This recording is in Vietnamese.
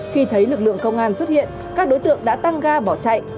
khi thấy lực lượng công an xuất hiện các đối tượng đã tăng ga bỏ chạy